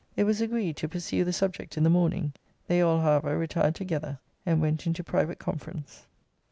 It was agreed to pursue the subject in the morning. They all, however, retired together, and went into private conference.